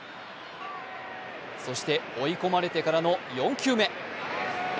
そして、追い込まれてからの４球目。